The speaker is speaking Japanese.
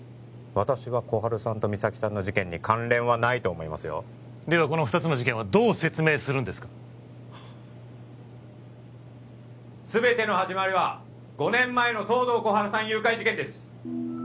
私は心春さんと実咲さんの事件に関連はないと思いますよではこの二つの事件はどう説明するんですかすべての始まりは５年前の東堂心春さん誘拐事件です！